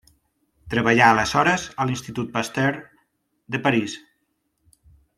Treballà aleshores a l'Institut Pasteur de París.